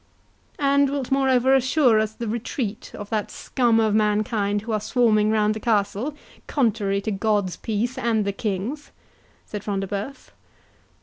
"And wilt moreover assure us the retreat of that scum of mankind who are swarming around the castle, contrary to God's peace and the king's?" said Front de Bœuf.